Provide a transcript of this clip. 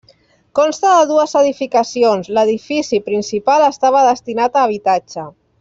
Consta de dues edificacions, l'edifici principal estava destinat a habitatge.